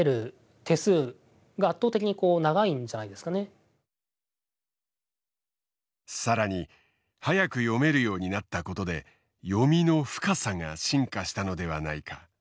恐らくこう本当に更に速く読めるようになったことで読みの深さが進化したのではないか。